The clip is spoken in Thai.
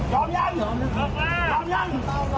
หยอมยัง